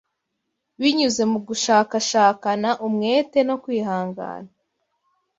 binyuze mu gushakashakana umwete no kwihangana